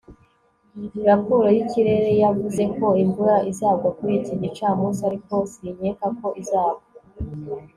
Raporo yikirere yavuze ko imvura izagwa kuri iki gicamunsi ariko sinkeka ko izagwa